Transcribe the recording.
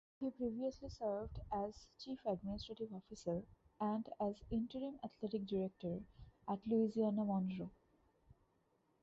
He previously served as chief administrative officer and as interim athletic director at Louisiana–Monroe.